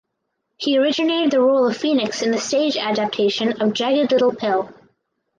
He originated the role of Phoenix in the stage adaptation of "Jagged Little Pill".